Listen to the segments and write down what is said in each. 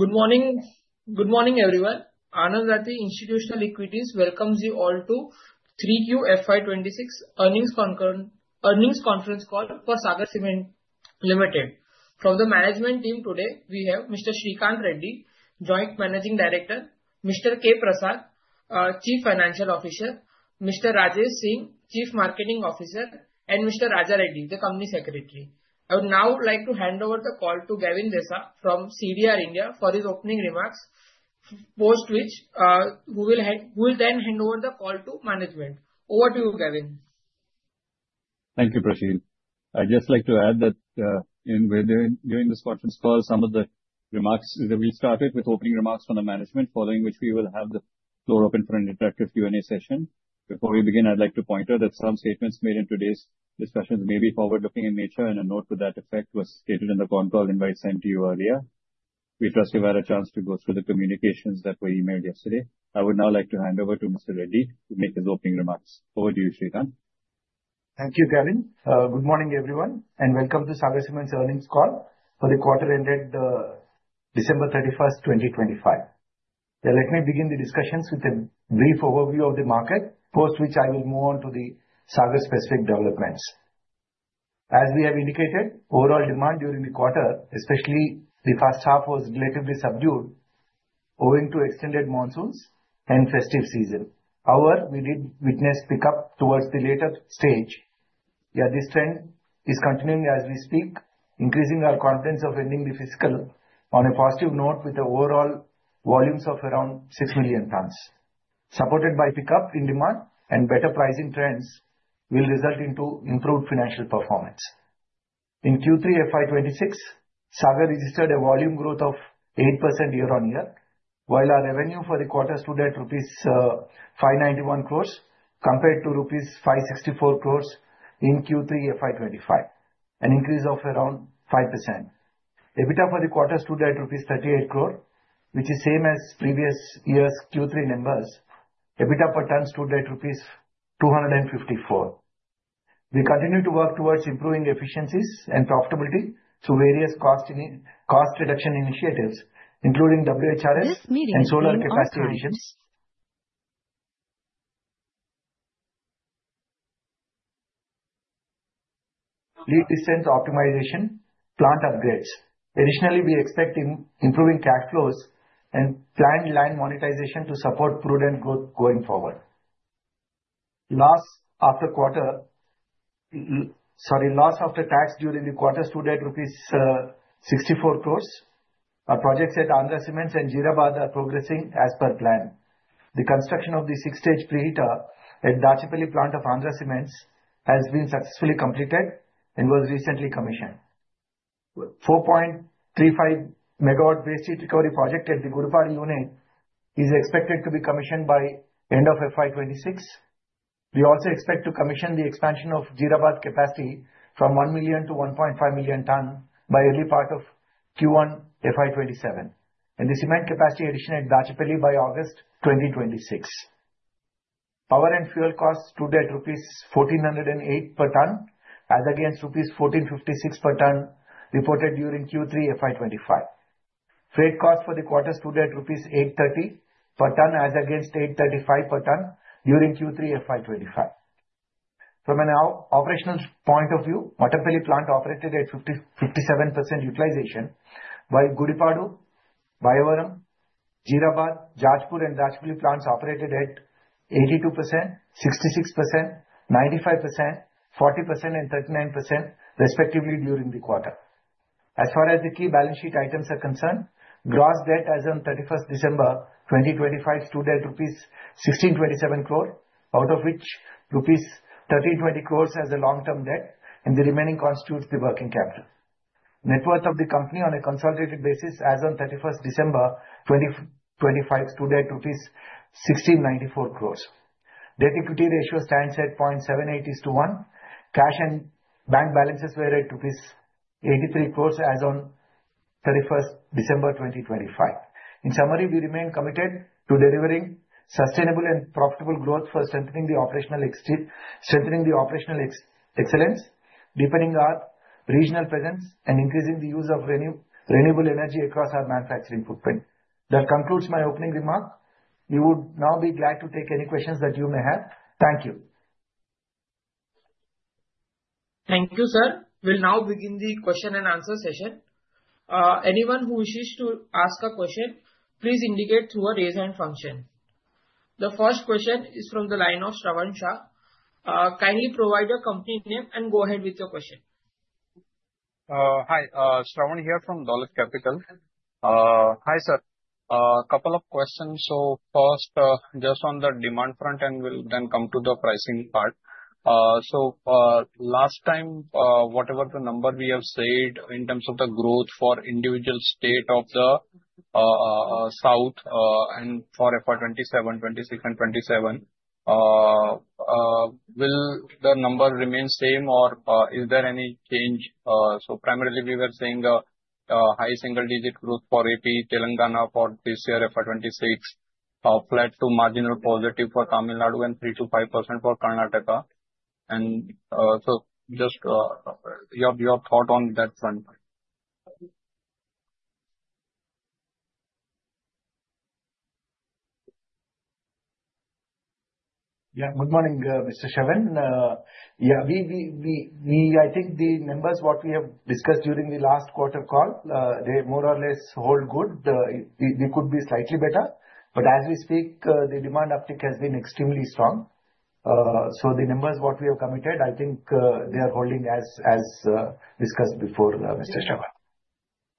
Good morning. Good morning, everyone. Anand Rathi Institutional Equities welcomes you all to 3Q FY 2026 earnings conference call for Sagar Cements Limited. From the management team today, we have Mr. Sreekanth Reddy, Joint Managing Director, Mr. K. Prasad, Chief Financial Officer, Mr. Rajesh Singh, Chief Marketing Officer, and Mr. Raja Reddy, the Company Secretary. I would now like to hand over the call to Gavin Desa from CDR India for his opening remarks, post which he will then hand over the call to management. Over to you, Gavin. Thank you, Prasid. I'd just like to add that during this conference call, some of the remarks we'll start with opening remarks from the management, following which we will have the floor open for an interactive Q&A session. Before we begin, I'd like to point out that some statements made in today's discussions may be forward-looking in nature, and a note to that effect was stated in the phone call invite sent to you earlier. We trust you've had a chance to go through the communications that were emailed yesterday. I would now like to hand over to Mr. Reddy to make his opening remarks. Over to you, Sreekanth. Thank you, Gavin. Good morning, everyone, and welcome to Sagar Cements' earnings call for the quarter ended December 31, 2025. Let me begin the discussions with a brief overview of the market, post which I will move on to the Sagar-specific developments. As we have indicated, overall demand during the quarter, especially the first half, was relatively subdued owing to extended monsoons and festive season. However, we did witness pickup towards the later stage. This trend is continuing as we speak, increasing our confidence of ending the fiscal on a positive note with overall volumes of around 6 million tons. Supported by pickup in demand and better pricing trends will result in improved financial performance. In Q3 FY 2026, Sagar registered a volume growth of 8% year-on-year, while our revenue for the quarter stood at rupees 591 crores compared to rupees 564 crores in Q3 FY 2025, an increase of around 5%. EBITDA for the quarter stood at rupees 38 crore, which is the same as previous year's Q3 numbers. EBITDA per ton stood at rupees 254. We continue to work towards improving efficiencies and profitability through various cost reduction initiatives, including WHRS and solar capacity additions. Lead distance optimization, plant upgrades. Additionally, we expect improving cash flows and planned land monetization to support prudent growth going forward. Loss after quarter, sorry, loss after tax during the quarter stood at rupees 64 crores. Our projects at Andhra Cements and Jeerabad are progressing as per plan. The construction of the six-stage preheater at Dachepalli plant of Andhra Cements has been successfully completed and was recently commissioned. The 4.35 MW waste heat recovery project at the Gudipadu unit is expected to be commissioned by the end of FY 2026. We also expect to commission the expansion of Jeerabad capacity from 1 million to 1.5 million tons by the early part of Q1 FY 2027, and the cement capacity addition at Dachepalli by August 2026. Power and fuel costs stood at rupees 1,408 per ton, as against rupees 1,456 per ton reported during Q3 FY 2025. Freight costs for the quarter stood at rupees 830 per ton, as against 835 per ton during Q3 FY 2025. From an operational point of view, Mattampally plant operated at 57% utilization, while Gudipadu, Bayyavaram, Jeerabad, Jajpur, and Dachepalli plants operated at 82%, 66%, 95%, 40%, and 39%, respectively, during the quarter. As far as the key balance sheet items are concerned, gross debt as of 31st December 2025 stood at rupees 1,627 crore, out of which rupees 1,320 crores as a long-term debt, and the remaining constitutes the working capital. Net worth of the company on a consolidated basis as of 31st December 2025 stood at rupees 1,694 crores. Debt-equity ratio stands at 0.78:1. Cash and bank balances were at rupees 83 crores as of 31st December 2025. In summary, we remain committed to delivering sustainable and profitable growth for strengthening the operational excellence, deepening our regional presence, and increasing the use of renewable energy across our manufacturing footprint. That concludes my opening remark. You would now be glad to take any questions that you may have. Thank you. Thank you, sir. We'll now begin the question and answer session. Anyone who wishes to ask a question, please indicate through a raise hand function. The first question is from the line of Shravan Shah. Kindly provide your company name and go ahead with your question. Hi, Shravan here from Dolat Capital. Hi, sir. A couple of questions. So first, just on the demand front, and we'll then come to the pricing part. So last time, whatever the number we have said in terms of the growth for individual states of the south and for FY 2026 and FY 2027, will the number remain same, or is there any change? So primarily, we were seeing a high single-digit growth for AP, Telangana for this year, FY 2026, flat to marginal positive for Tamil Nadu, and 3% to 5% for Karnataka. And so just your thought on that front. Yeah, good morning, Mr. Shravan. Yeah, I think the numbers, what we have discussed during the last quarter call, they more or less hold good. They could be slightly better, but as we speak, the demand uptick has been extremely strong, so the numbers, what we have committed, I think they are holding as discussed before, Mr. Shravan.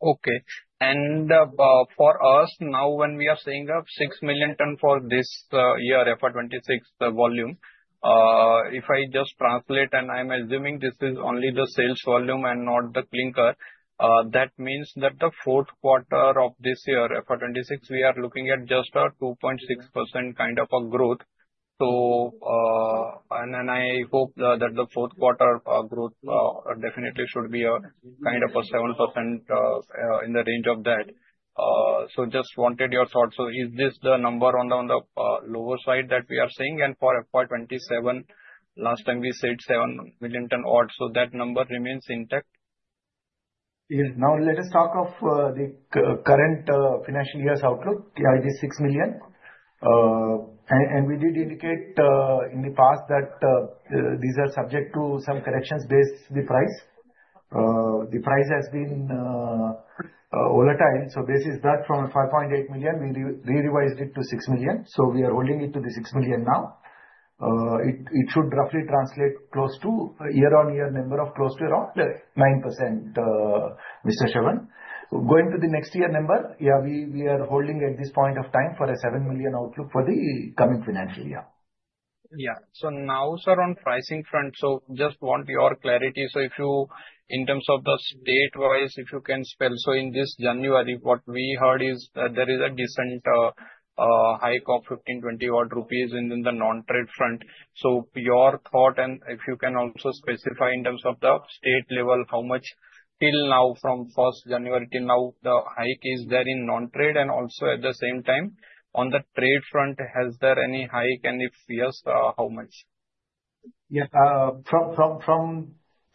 Okay. And for us, now when we are saying 6 million ton for this year, FY 2026 volume, if I just translate, and I'm assuming this is only the sales volume and not the clinker, that means that the fourth quarter of this year, FY 2026, we are looking at just a 2.6% kind of a growth. So and then I hope that the fourth quarter growth definitely should be kind of a 7% in the range of that. So just wanted your thought. So is this the number on the lower side that we are seeing? And for FY 2027, last time we said 7 million ton odd. So that number remains intact? Yes. Now, let us talk of the current financial year's outlook. Yeah, it is 6 million. We did indicate in the past that these are subject to some corrections based on the price. The price has been volatile. So basis that from 5.8 million, we re-revised it to 6 million. So we are holding it to the 6 million now. It should roughly translate close to year-on-year number of close to around 9%, Mr. Shravan. Going to the next year number, yeah, we are holding at this point of time for a 7 million outlook for the coming financial year. Yeah. So now, sir, on the pricing front, so just want your clarity. So if you, in terms of the state-wise, if you can tell, so in this January, what we heard is that there is a decent hike of 15-20 rupees odd in the non-trade front. So your thought, and if you can also specify in terms of the state level, how much till now from 1st January till now, the hike is there in non-trade? And also, at the same time, on the trade front, has there any hike? And if yes, how much? Yeah.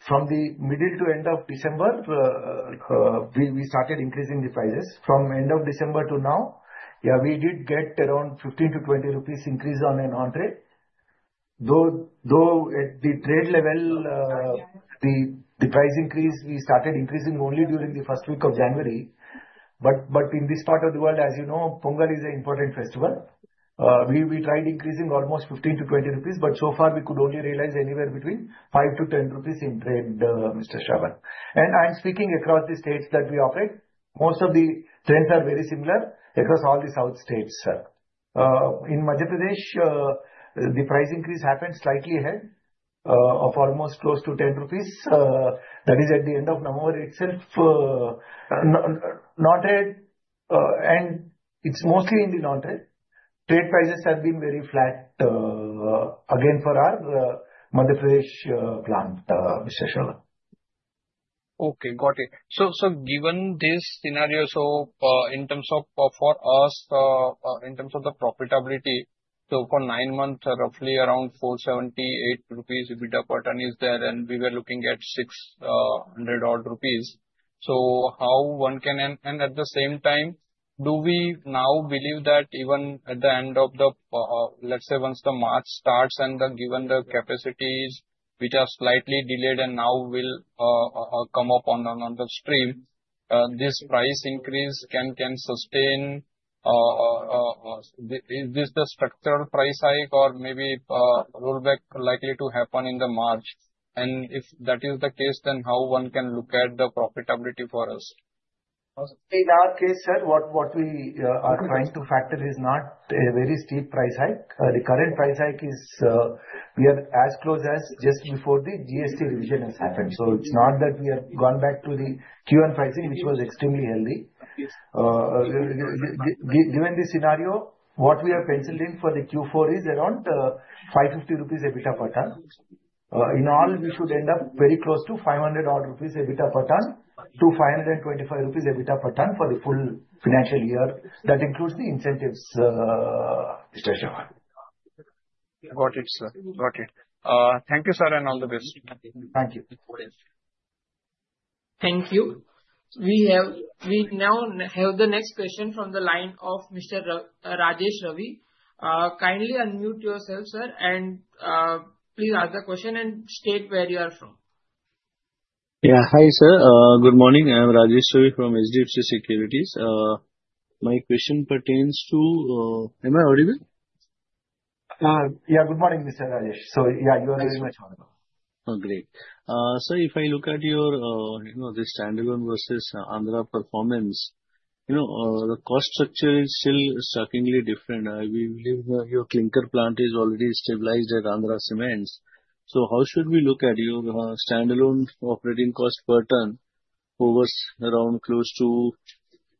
From the middle to end of December, we started increasing the prices. From end of December to now, yeah, we did get around 15-20 rupees increase on non-trade. Though at the trade level, the price increase, we started increasing only during the first week of January. But in this part of the world, as you know, Pongal is an important festival. We tried increasing almost 15-20 rupees, but so far, we could only realize anywhere between 5-10 rupees in trade, Mr. Shravan. And speaking across the states that we operate, most of the trends are very similar across all the south states, sir. In Madhya Pradesh, the price increase happened slightly ahead of almost close to 10 rupees. That is at the end of November itself, non-trade, and it's mostly in the non-trade. Trade prices have been very flat again for our Madhya Pradesh plant, Mr. Shah. Okay, got it. So given this scenario, so in terms of for us, in terms of the profitability, so for nine months, roughly around 478 rupees EBITDA per ton is there, and we were looking at 600-odd rupees. So how one can, and at the same time, do we now believe that even at the end of the, let's say, once the March starts and given the capacities, which are slightly delayed and now will come on stream, this price increase can sustain? Is this the structural price hike or maybe rollback likely to happen in the March? And if that is the case, then how one can look at the profitability for us? In our case, sir, what we are trying to factor is not a very steep price hike. The current price hike is we are as close as just before the GST revision has happened. So it's not that we have gone back to the Q1 pricing, which was extremely healthy. Given this scenario, what we have penciled in for the Q4 is around 550 rupees EBITDA per ton. In all, we should end up very close to 500 rupees EBITDA per ton to 525 rupees EBITDA per ton for the full financial year. That includes the incentives, Mr. Shah. Got it, sir. Got it. Thank you, sir, and all the best. Thank you. Thank you. We now have the next question from the line of Mr. Rajesh Ravi. Kindly unmute yourself, sir, and please ask the question and state where you are from. Yeah, hi, sir. Good morning. I'm Rajesh Ravi from HDFC Securities. My question pertains to. Am I audible? Yeah, good morning, Mr. Rajesh. So yeah, you are very much audible. Great, so if I look at your standalone versus Andhra performance, the cost structure is still strikingly different. We believe your clinker plant is already stabilized at Andhra Cements, so how should we look at your standalone operating cost per ton over around close to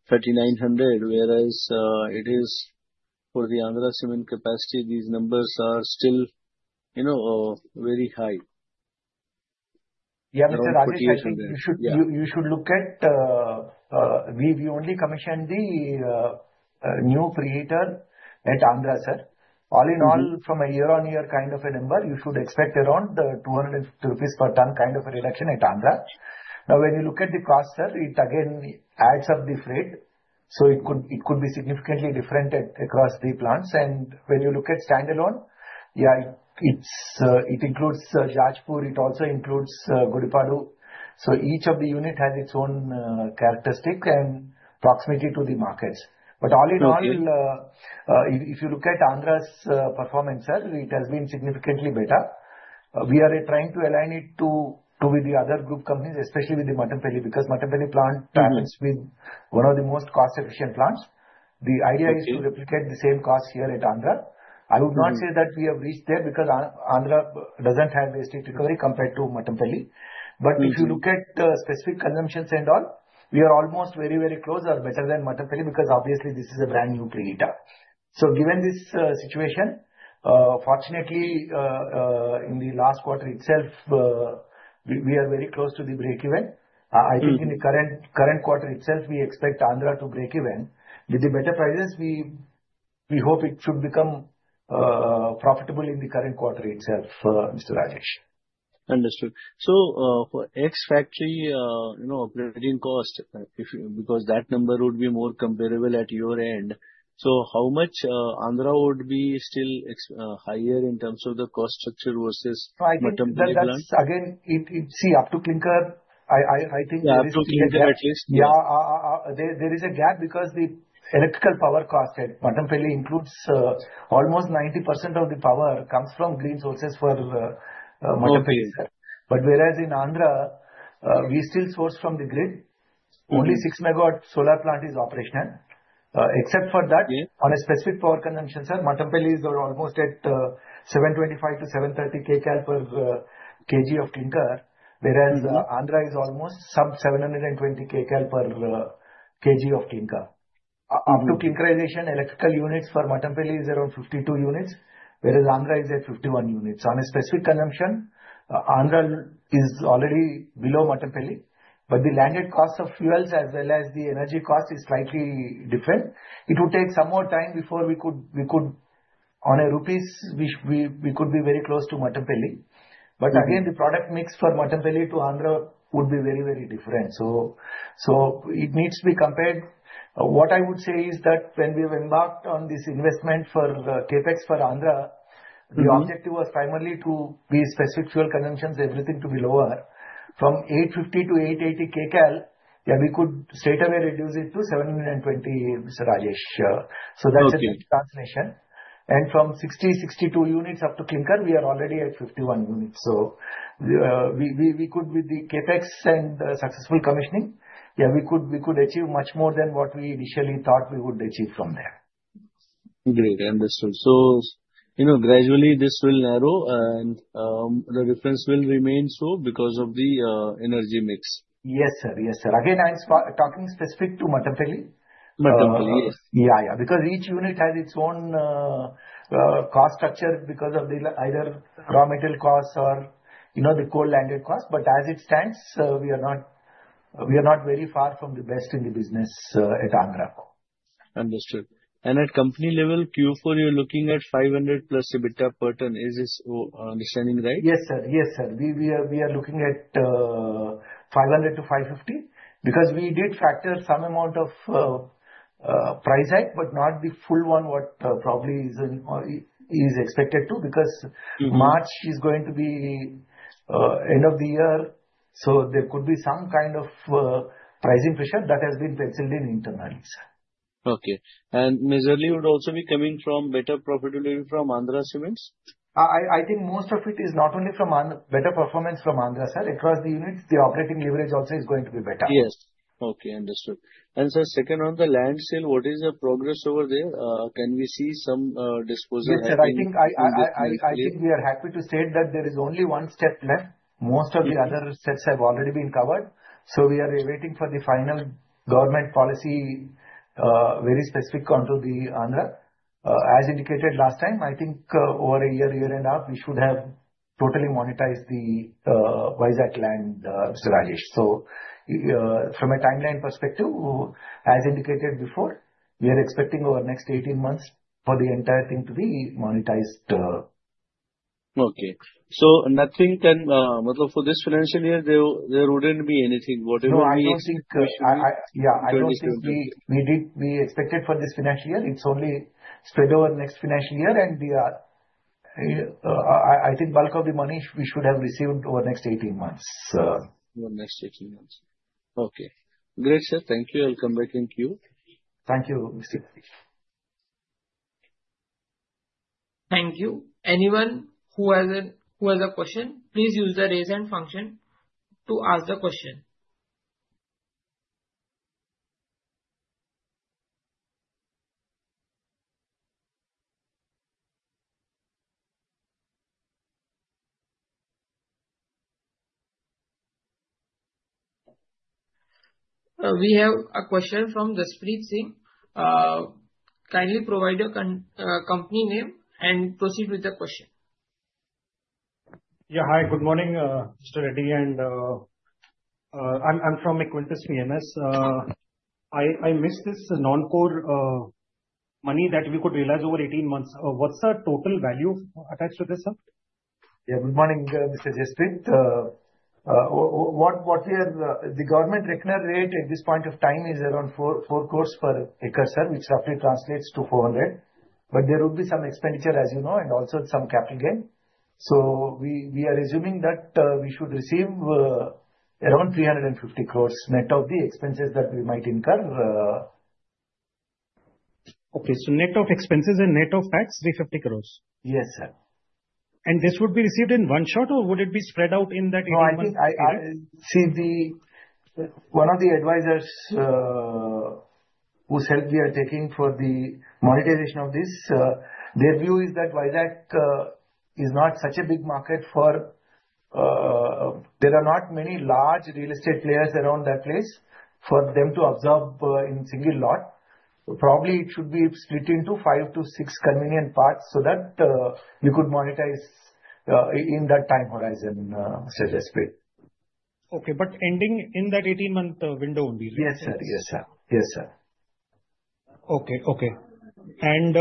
3,900, whereas it is for the Andhra Cements capacity. These numbers are still very high. Yeah, Mr. Rajesh, you should look at - we only commissioned the new preheater at Andhra, sir. All in all, from a year-on-year kind of a number, you should expect around the 250 rupees per ton kind of a reduction at Andhra. Now, when you look at the cost, sir, it again adds up the freight. So it could be significantly different across the plants, and when you look at standalone, yeah, it includes Jajpur. It also includes Gudipadu. So each of the units has its own characteristic and proximity to the markets, but all in all, if you look at Andhra's performance, sir, it has been significantly better. We are trying to align it with the other group companies, especially with the Mattampally, because Mattampally plant is one of the most cost-efficient plants. The idea is to replicate the same cost here at Andhra. I would not say that we have reached there because Andhra doesn't have waste heat recovery compared to Mattampally. But if you look at the specific consumptions and all, we are almost very, very close or better than Mattampally because obviously this is a brand new preheater. So given this situation, fortunately, in the last quarter itself, we are very close to the break-even. I think in the current quarter itself, we expect Andhra to break-even. With the better prices, we hope it should become profitable in the current quarter itself, Mr. Rajesh. Understood. So for Andhra factory operating cost, because that number would be more comparable at your end, so how much Andhra would be still higher in terms of the cost structure versus Mattampally plants? Again, see, up to clinker, I think there is, yeah, there is a gap because the electrical power cost at Mattampally includes almost 90% of the power comes from green sources for Mattampally, sir. But whereas in Andhra, we still source from the grid. Only 6 MW solar plant is operational. Except for that, on a specific power consumption, sir, Mattampally is almost at 725-730 kcal per kg of clinker, whereas Andhra is almost sub 720 kcal per kg of clinker. Up to clinkerization, electrical units for Mattampally is around 52 units, whereas Andhra is at 51 units. On a specific consumption, Andhra is already below Mattampally. But the landed cost of fuels as well as the energy cost is slightly different. It would take some more time before we could, on a rupees, we could be very close to Mattampally. But again, the product mix for Mattampally to Andhra would be very, very different. So it needs to be compared. What I would say is that when we embarked on this investment for CapEx for Andhra, the objective was primarily to be specific fuel consumptions, everything to be lower. From 850-880 kcal, yeah, we could straightaway reduce it to 720 kcal, Mr. Rajesh. So that's a big translation. And from 60-62 units up to clinker, we are already at 51 units. So with the CapEx and the successful commissioning, yeah, we could achieve much more than what we initially thought we would achieve from there. Great. Understood. So gradually this will narrow, and the difference will remain so because of the energy mix. Yes, sir. Yes, sir. Again, I'm talking specific to Mattampally. Mattampally, yes. Yeah, yeah. Because each unit has its own cost structure because of either raw material costs or the coal landed costs. But as it stands, we are not very far from the best in the business at Andhra. Understood. And at company level, Q4, you're looking at 500+ EBITDA per ton. Is this understanding right? Yes, sir. Yes, sir. We are looking at 500-550 because we did factor some amount of price hike, but not the full one what probably is expected to because March is going to be end of the year. So there could be some kind of pricing pressure that has been penciled in internally, sir. Okay. And is this solely coming from better profitability from Andhra Cements? I think most of it is not only from better performance from Andhra, sir. Across the units, the operating leverage also is going to be better. Yes. Okay. Understood, and sir, second on the land sale, what is the progress over there? Can we see some disposal? Yes, sir. I think we are happy to state that there is only one step left. Most of the other steps have already been covered. We are awaiting for the final government policy, very specific onto the Andhra Pradesh. As indicated last time, I think over a year, year and a half, we should have totally monetized the Vizag land, Mr. Rajesh. From a timeline perspective, as indicated before, we are expecting over the next 18 months for the entire thing to be monetized. Okay. So nothing much to for this financial year, there wouldn't be anything. Whatever we No, I think, yeah, I don't think we expected for this financial year. It's only spread over the next financial year. And I think bulk of the money we should have received over the next 18 months. Over the next 18 months. Okay. Great, sir. Thank you. I'll come back and queue. Thank you, Mr. Rajesh. Thank you. Anyone who has a question, please use the raise hand function to ask the question. We have a question from Jaspreet Singh. Kindly provide your company name and proceed with the question. Yeah, hi. Good morning, Mr. Reddy. And I'm from Equentis PMS. I missed this non-core money that we could realize over 18 months. What's the total value attached to this, sir? Yeah, good morning, Mr. Jaspreet. The government required rate at this point of time is around four crores per acre, sir, which roughly translates to 400. But there would be some expenditure, as you know, and also some capital gain. So we are assuming that we should receive around 350 crores net of the expenses that we might incur. Okay. So net of expenses and net of tax, 350 crores? Yes, sir. This would be received in one shot, or would it be spread out in that 18 months? No, I think, see, one of the advisors whose help we are taking for the monetization of this, their view is that Vizag is not such a big market for, there are not many large real estate players around that place for them to absorb in single lot. Probably it should be split into 5-6 convenient parts so that we could monetize in that time horizon, Mr. Jaspreet. Okay, but ending in that 18-month window only, right? Yes, sir. Yes, sir. Yes, sir. Okay. And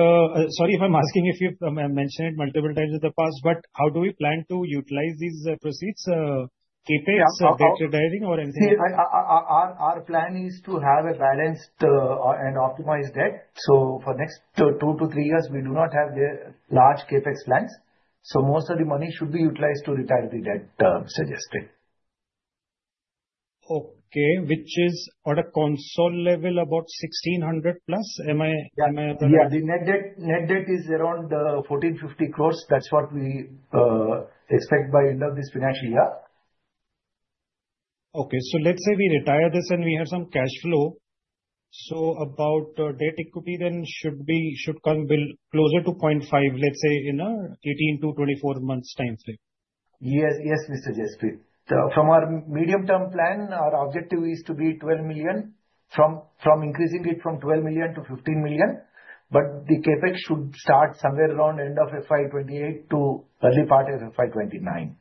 sorry if I'm asking if you've mentioned it multiple times in the past, but how do we plan to utilize these proceeds, CapEx, debt retiring, or anything? Our plan is to have a balanced and optimized debt. So for the next two to three years, we do not have large CapEx plans. So most of the money should be utilized to retire the debt, Mr. Jaspreet. Okay. Which is at a consolidated level about 1,600 plus. Am I? Yeah. The net debt is around 1,450 crores. That's what we expect by the end of this financial year. Okay. So let's say we retire this and we have some cash flow. So about debt equity then should come closer to 0.5, let's say in a 18-24 months timeframe. Yes, yes, Mr. Jaspreet. From our medium-term plan, our objective is to be 12 million from increasing it from 12 million to 15 million. But the CapEx should start somewhere around the end of FY 2028 to early part of FY 2029.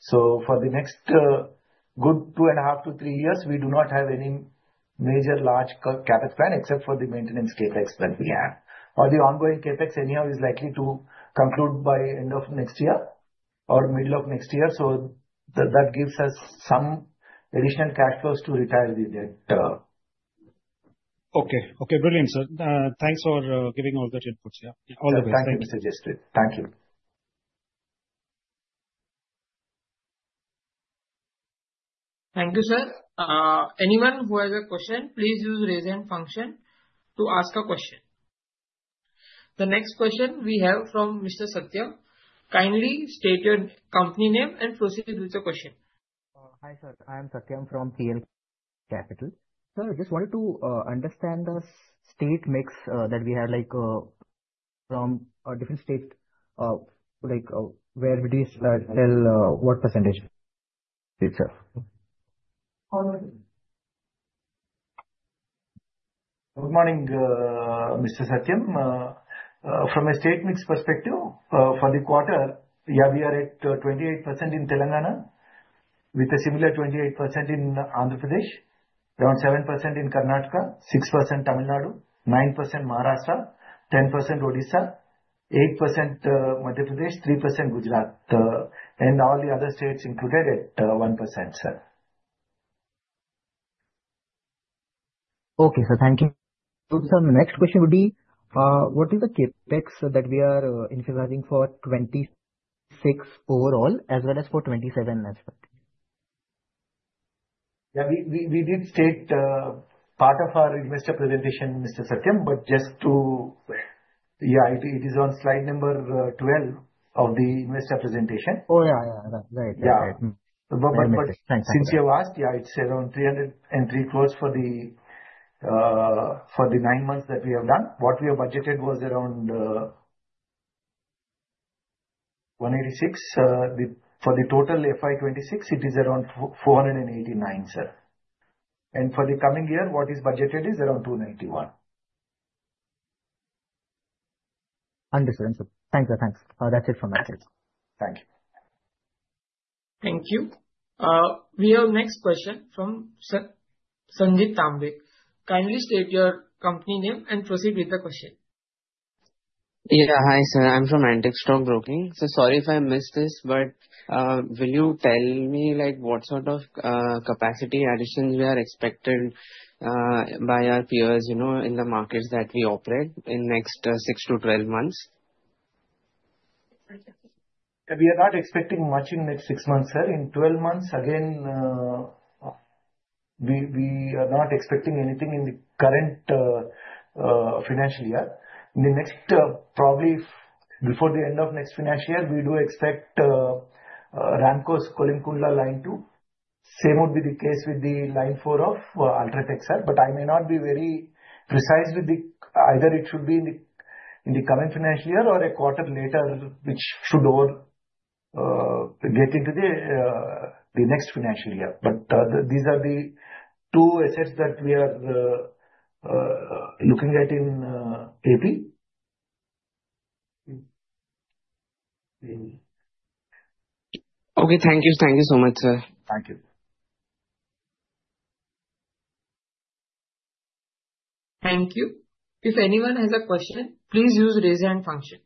So for the next good two and a half to three years, we do not have any major large CapEx plan except for the maintenance CapEx that we have. Or the ongoing CapEx anyhow is likely to conclude by the end of next year or middle of next year. So that gives us some additional cash flows to retire the debt. Okay. Okay. Brilliant, sir. Thanks for giving all that input. Yeah. All the best. Thank you, Mr. Jaspreet. Thank you. Thank you, sir. Anyone who has a question, please use raise hand function to ask a question. The next question we have from Mr. Satyam. Kindly state your company name and proceed with the question. Hi, sir. I am Satyam from KL Capital. Sir, I just wanted to understand the state mix that we have from different states, where would you sell what percentage? Good morning, Mr. Satyam. From a state mix perspective, for the quarter, yeah, we are at 28% in Telangana with a similar 28% in Andhra Pradesh, around 7% in Karnataka, 6% Tamil Nadu, 9% Maharashtra, 10% Odisha, 8% Madhya Pradesh, 3% Gujarat, and all the other states included at 1%, sir. Okay, sir. Thank you. Sir, next question would be, what is the CapEx that we are incurring for 2026 overall as well as for 2027? Yeah, we did state part of our investor presentation, Mr. Satyam, but just to, yeah, it is on slide number 12 of the investor presentation. Oh, yeah, yeah. Right, right, right. But since you have asked, yeah, it's around 303 crores for the nine months that we have done. What we have budgeted was around 186. For the total FY 2026, it is around 489, sir. And for the coming year, what is budgeted is around 291. Understood, sir. Thank you. Thanks. That's it from my side. Thank you. Thank you. We have next question from Sir Sanjeet Tambe. Kindly state your company name and proceed with the question. Yeah, hi, sir. I'm from Antique Stock Broking. So, sorry if I missed this, but will you tell me what sort of capacity additions we are expected by our peers in the markets that we operate in the next 6-12 months? We are not expecting much in the next six months, sir. In 12 months, again, we are not expecting anything in the current financial year. In the next, probably before the end of the next financial year, we do expect Ramco's Kolimigundla line two. Same would be the case with the line four of UltraTech, sir. But I may not be very precise with whether it should be in the coming financial year or a quarter later, which should all get into the next financial year. But these are the two assets that we are looking at in AP. Okay. Thank you. Thank you so much, sir. Thank you. Thank you. If anyone has a question, please use raise hand function.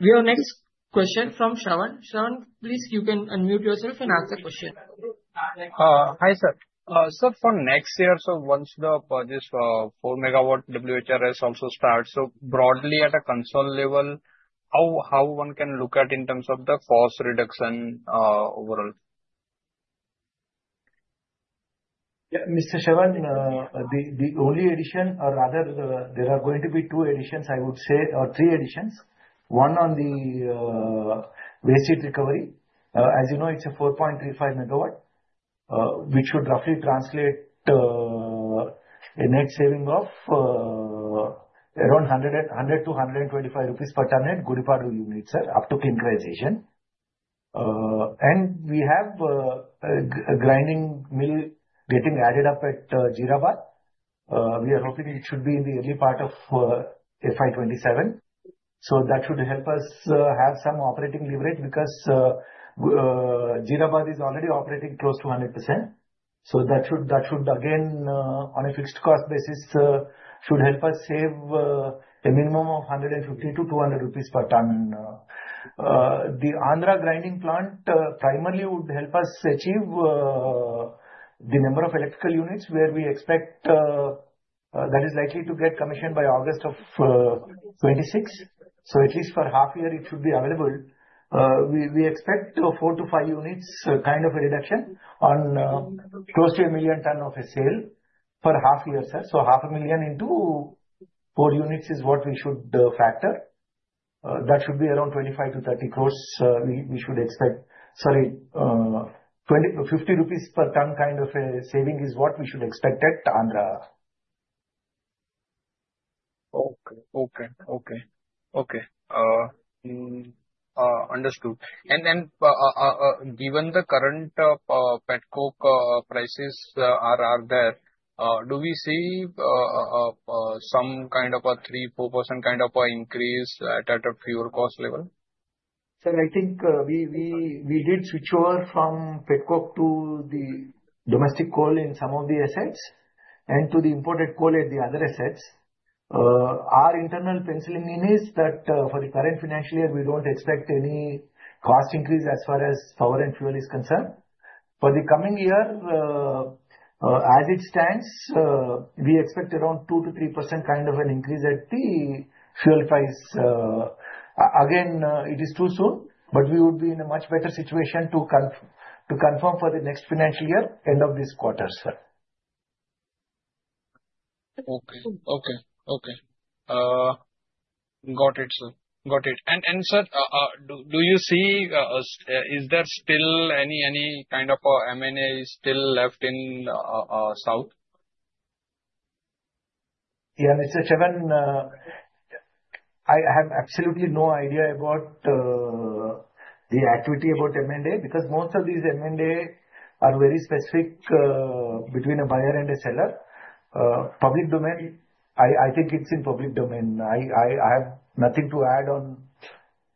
We have next question from Shravan. Shravan, please, you can unmute yourself and ask the question. Hi, sir. For next year, once the project for 4 MW WHRS also starts, broadly at a consolidated level, how one can look at in terms of the cost reduction overall? Yeah, Mr. Shravan, the only addition, or rather, there are going to be two additions, I would say, or three additions. One on the basic recovery. As you know, it's a 4.35 MW, which should roughly translate a net saving of around 100-125 rupees per tonne Gudipadu unit, sir, up to clinkerization. And we have a grinding mill getting added up at Jeerabad. We are hoping it should be in the early part of FY 2027. So that should help us have some operating leverage because Jeerabad is already operating close to 100%. So that should, again, on a fixed cost basis, should help us save a minimum of 150-200 rupees per tonne. The Andhra grinding plant primarily would help us achieve the number of electrical units where we expect that is likely to get commissioned by August 2026. So at least for half a year, it should be available. We expect four to five units kind of a reduction on close to a million tons of sales for half a year, sir. So 500,000 into four units is what we should factor. That should be around 25-30 crores we should expect. Sorry, 50 rupees per ton kind of a saving is what we should expect at Andhra. Understood. And then given the current petcoke prices are there, do we see some kind of a 3%-4% kind of an increase at a lower cost level? Sir, I think we did switch over from petcoke to the domestic coal in some of the assets and to the imported coal at the other assets. Our internal penciling is that for the current financial year, we don't expect any cost increase as far as power and fuel is concerned. For the coming year, as it stands, we expect around 2%-3% kind of an increase at the fuel price. Again, it is too soon, but we would be in a much better situation to confirm for the next financial year, end of this quarter, sir. Okay. Got it, sir. Got it. And sir, do you see is there still any kind of M&A still left in South? Yeah, Mr.Shravan, I have absolutely no idea about the activity about M&A because most of these M&A are very specific between a buyer and a seller. Public domain, I think it's in public domain. I have nothing to add on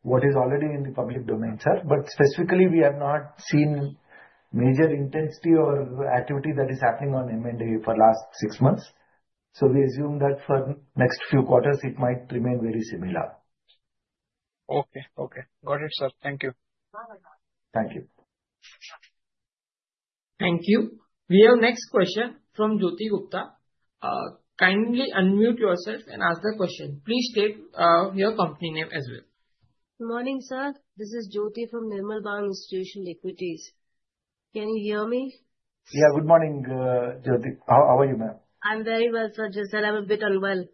what is already in the public domain, sir. But specifically, we have not seen major intensity or activity that is happening on M&A for the last six months. So we assume that for the next few quarters, it might remain very similar. Okay. Okay. Got it, sir. Thank you. Thank you. Thank you. We have next question from Jyoti Gupta. Kindly unmute yourself and ask the question. Please state your company name as well. Good morning, sir. This is Jyoti from Nirmal Bang Institutional Equities. Can you hear me? Yeah, good morning, Jyoti. How are you, ma'am? I'm very well, sir. Just that I'm a bit unwell.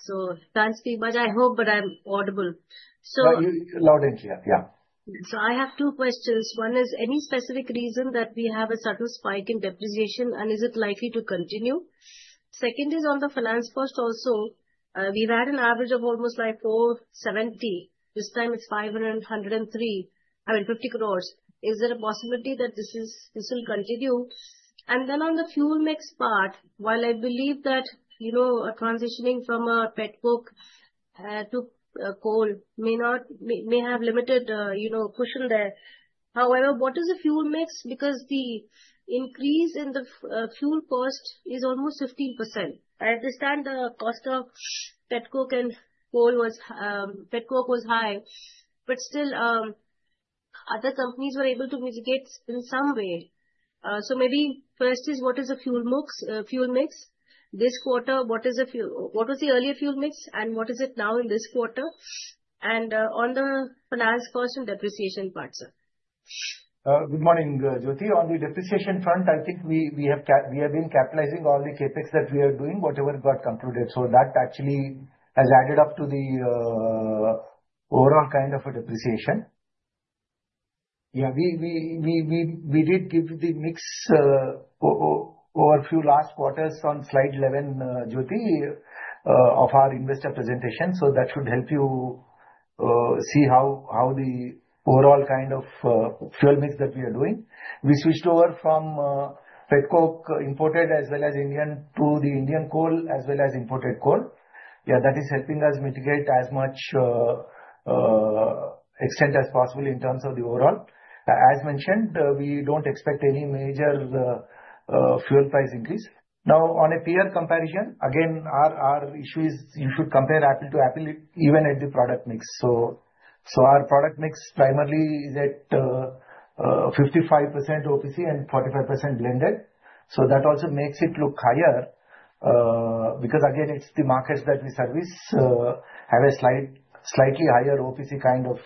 So can't speak, but I hope that I'm audible. Loud and clear. Yeah. So I have two questions. One is, any specific reason that we have a sudden spike in depreciation, and is it likely to continue? Second is on the finance cost also, we've had an average of almost like 470. This time, it's 500, 103, I mean, 50 crore. Is there a possibility that this will continue? And then on the fuel mix part, while I believe that transitioning from a petcoke to coal may have limited cushion there, however, what is the fuel mix? Because the increase in the fuel cost is almost 15%. I understand the cost of petcoke and coal was high, but still, other companies were able to mitigate in some way. So maybe first is, what is the fuel mix? This quarter, what was the earlier fuel mix, and what is it now in this quarter? On the finance cost and depreciation part, sir? Good morning, Jyoti. On the depreciation front, I think we have been capitalizing all the CapEx that we are doing, whatever got concluded. So that actually has added up to the overall kind of a depreciation. Yeah, we did give the mix over a few last quarters on slide 11, Jyoti, of our investor presentation. So that should help you see how the overall kind of fuel mix that we are doing. We switched over from Petcoke imported as well as Indian to the Indian coal as well as imported coal. Yeah, that is helping us mitigate as much extent as possible in terms of the overall. As mentioned, we don't expect any major fuel price increase. Now, on a peer comparison, again, our issue is you should compare apple to apple, even at the product mix. So our product mix primarily is at 55% OPC and 45% blended. So that also makes it look higher because, again, it's the markets that we service have a slightly higher OPC kind of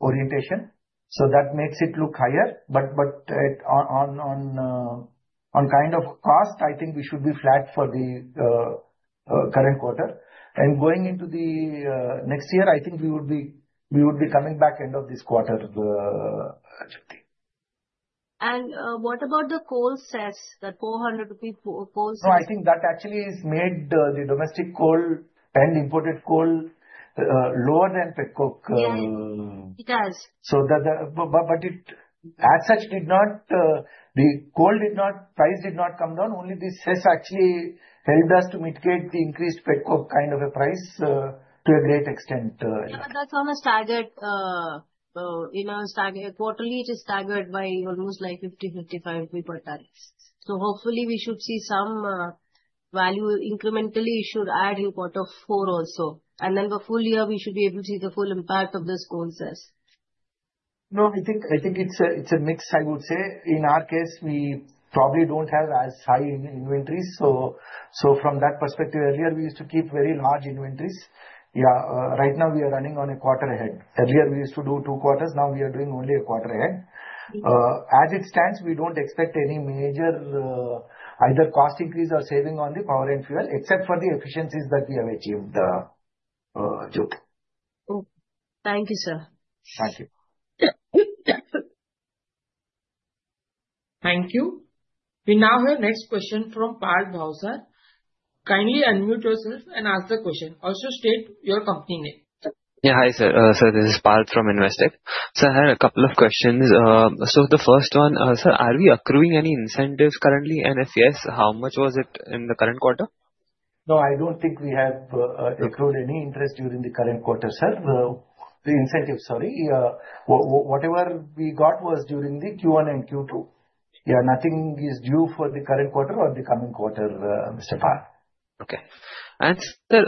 orientation. So that makes it look higher. But on kind of cost, I think we should be flat for the current quarter. And going into the next year, I think we would be coming back end of this quarter, Jyoti. What about the coal cess, that 400 rupees coal cess? I think that actually has made the domestic coal and imported coal lower than petcoke. Yes, it has. As such, the coal price did not come down. Only the cess actually helped us to mitigate the increased Petcoke kind of a price to a great extent. That's almost staggered. Quarterly, it is staggered by almost like 50-55 rupee per tons. So hopefully, we should see some value incrementally should add in quarter four also. And then the full year, we should be able to see the full impact of this coal cess. No, I think it's a mix, I would say. In our case, we probably don't have as high inventories. So from that perspective, earlier, we used to keep very large inventories. Yeah, right now, we are running on a quarter ahead. Earlier, we used to do two quarters. Now, we are doing only a quarter ahead. As it stands, we don't expect any major either cost increase or saving on the power and fuel, except for the efficiencies that we have achieved, Jyoti. Thank you, sir. Thank you. Thank you. We now have next question from Parth Bhavsar. Kindly unmute yourself and ask the question. Also, state your company name. Yeah, hi sir. Sir, this is Parth from Investec. Sir, I had a couple of questions. So the first one, sir, are we accruing any incentives currently? And if yes, how much was it in the current quarter? No, I don't think we have accrued any interest during the current quarter, sir. The incentives, sorry. Whatever we got was during the Q1 and Q2. Yeah, nothing is due for the current quarter or the coming quarter, Mr. Parth. Okay. And sir,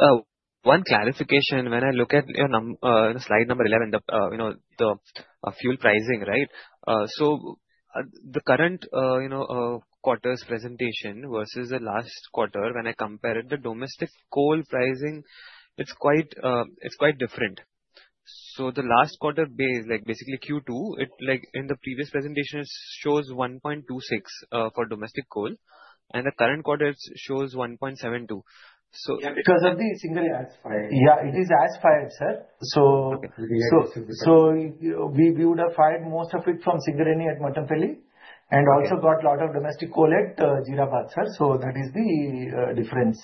one clarification. When I look at slide number 11, the fuel pricing, right? So the current quarter's presentation versus the last quarter, when I compare it, the domestic coal pricing, it's quite different. So the last quarter base, basically Q2, in the previous presentation, it shows 1.26 for domestic coal. And the current quarter, it shows 1.72. So. Yeah, because of the Singareni as fired. Yeah, it is as fired, sir. So we would have fired most of it from Singareni at Mattampally. And also got a lot of domestic coal at Jeerabad, sir. So that is the difference.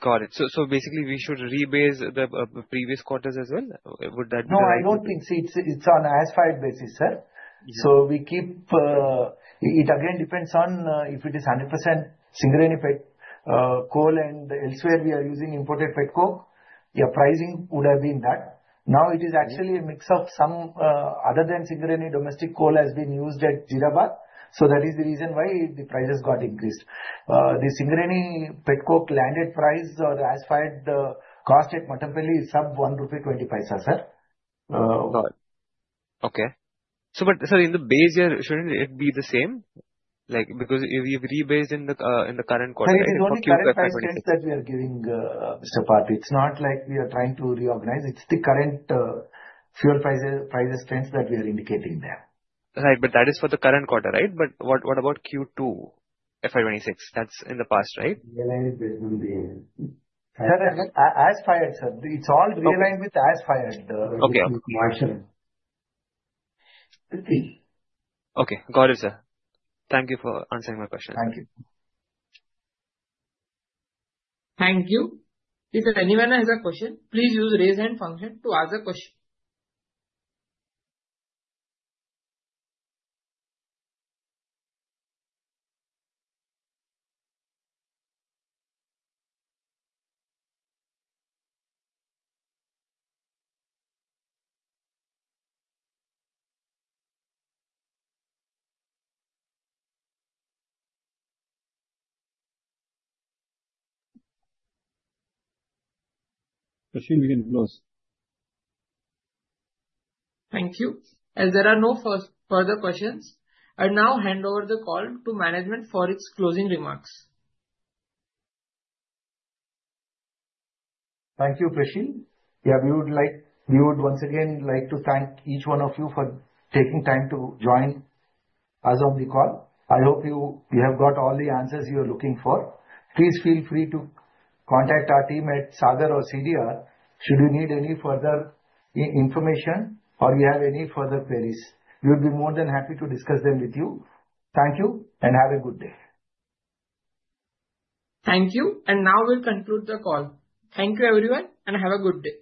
Got it. So basically, we should rebase the previous quarters as well? Would that be? No, I don't think so. It's on as fired basis, sir. So we keep it again depends on if it is 100% Singareni coal and elsewhere we are using imported petcoke. Yeah, pricing would have been that. Now, it is actually a mix of some other than Singareni domestic coal has been used at Jeerabad. So that is the reason why the prices got increased. The Singareni petcoke landed price or as fired cost at Mattampally is sub 1.25 rupee, sir. Got it. Okay. So but sir, in the base year, shouldn't it be the same? Because we've rebased in the current quarter. It's not the current strength that we are giving, Mr. Pat. It's not like we are trying to reorganize. It's the current fuel price strength that we are indicating there. Right. But that is for the current quarter, right? But what about Q2 FY 2026? That's in the past, right? Sir, as-fired, sir. It's all relined with as-fired. Okay. Okay. Got it, sir. Thank you for answering my question. Thank you. Thank you. If anyone has a question, please use raise hand function to ask a question. Prasid, you can close. Thank you. As there are no further questions, I now hand over the call to management for its closing remarks. Thank you, Prasid. Yeah, we would once again like to thank each one of you for taking time to join us on the call. I hope you have got all the answers you are looking for. Please feel free to contact our team at Sagar or CDR should you need any further information or you have any further queries. We would be more than happy to discuss them with you. Thank you and have a good day. Thank you. And now we'll conclude the call. Thank you, everyone, and have a good day.